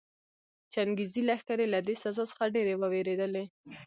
چنګېزي لښکرې له دې سزا څخه ډېرې ووېرېدلې.